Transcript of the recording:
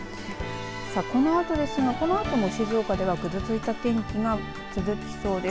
このあとですがこのあとも静岡ではぐずついた天気が続きそうです。